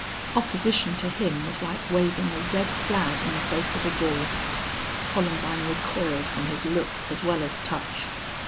Opposition to him was like waving a red flag in the face of a bull. Columbine recoiled from his look as well as touch.